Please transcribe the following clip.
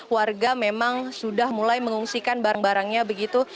warga memang sudah mulai mengungsikan barang barangnya begitu